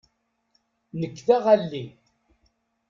Nekk d aɣalli.